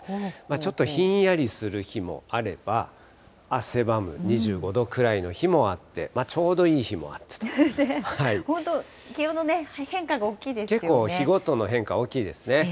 ちょっとひんやりする日もあれば、汗ばむ、２５度くらいの日もあっ本当、気温の変化が大きいで結構、日ごとの変化、大きいですね。